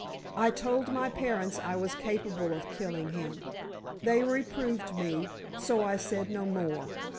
I told my parents I was capable of killing him; they reproved me, so I said no more.